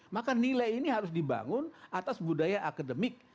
maka nilai ini harus dibangun atas budaya akademik